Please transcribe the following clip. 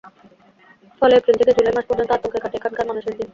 ফলে এপ্রিল থেকে জুলাই মাস পর্যন্ত আতঙ্কে কাটে এখানকার মানুষের দিন।